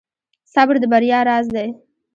• صبر د بریا راز دی.